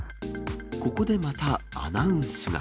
ここでまたアナウンスが。